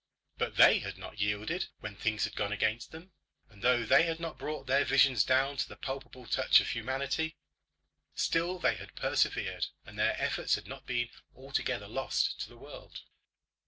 But they had not yielded when things had gone against them; and though they had not brought their visions down to the palpable touch of humanity, still they had persevered, and their efforts had not been altogether lost to the world.